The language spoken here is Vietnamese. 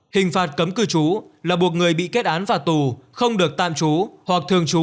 hình phạt cấm cư trú là buộc người bị kết án phạt tù không được tạm trú hoặc thường trú